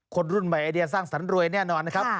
คนรุ่นใหม่ไอเดียสร้างสรรครวยแน่นอนนะครับ